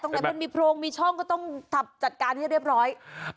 ไหนมันมีโพรงมีช่องก็ต้องจัดการให้เรียบร้อย